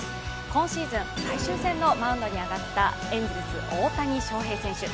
今シーズン最終戦のマウンドに上がったエンゼルス・大谷翔平選手